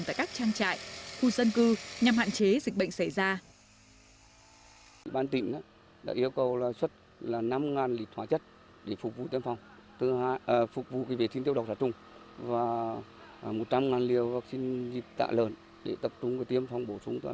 tại các trang trại khu dân cư nhằm hạn chế dịch bệnh xảy ra